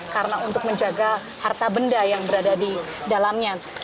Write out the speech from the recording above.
karena untuk menjaga harta benda yang berada di dalamnya